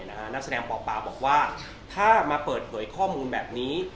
นักแสดงปปาบอกว่าถ้ามาเปิดเผยข้อมูลแบบนี้